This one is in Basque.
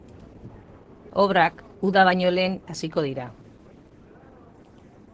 Obrak uda baino lehen hasiko dira.